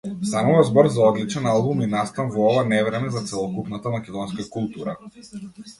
Станува збор за одличен албум и настан во ова невреме за целокупната македонска култура.